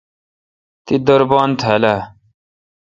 تی دربان تھال آ؟